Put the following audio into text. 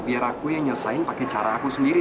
biar aku yang nyelesain pakai cara aku sendiri